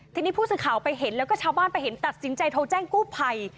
ทีนี้ผู้สื่อข่าวไปเห็นแล้วก็ชาวบ้านไปเห็นตัดสินใจโทรแจ้งกู้ภัย